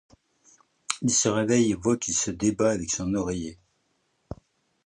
Il se réveille et voit qu'il se débat avec son oreiller.